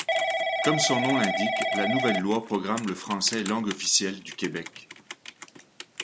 Comme son nom l’indique, la nouvelle loi proclame le français langue officielle du Québec.